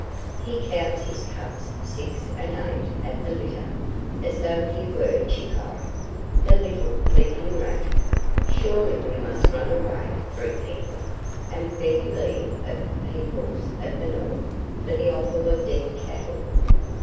He counts his cubs six and eight at the litter, as though he were Chikai, the little leaping rat. Surely we must run away, Free People, and beg leave of the peoples of the north for the offal of dead cattle!